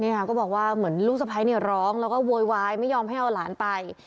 ก็บอกว่าเหมือนลูกสะพ้ายเนี่ยร้องแล้วก็โวยวายไม่ยอมให้เอาหลานไป